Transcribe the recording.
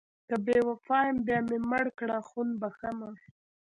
که بې وفا یم بیا مې مړه کړه خون بښمه...